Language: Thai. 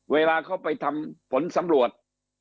เวลาเขาไปทำผลสำรวจ